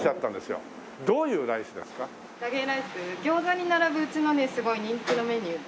餃子に並ぶうちのすごい人気のメニューで。